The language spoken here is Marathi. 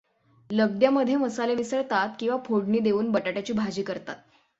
लगद्यामध्ये मसाले मिसळतात किंवा फोडणी देवून बटाट्याची भाजी करतात.